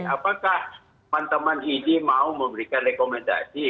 apakah teman teman idi mau memberikan rekomendasi